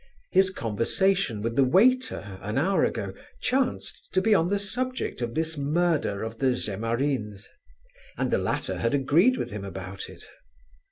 His conversation with the waiter, an hour ago, chanced to be on the subject of this murder of the Zemarins, and the latter had agreed with him about it.